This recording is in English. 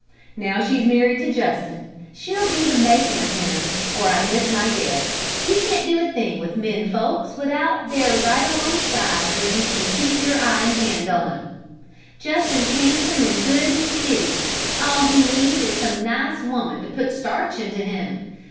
Now she's married to Justin she'll be the makin' of him, or I miss my guess. You can't do a thing with men folks without they're right alongside where you can keep your eye and hand on 'em. Justin's handsome and good and stiddy; all he need is some nice woman to put starch into him.